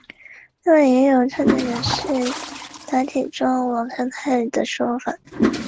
然而在建成混凝土核心部分后由于资金问题而停建。